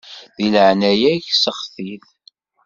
Di leɛnaya-k seɣti-t.